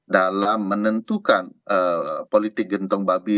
dalam menentukan politik gentong babi